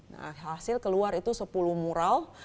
nah hasil keluar itu sepuluh mural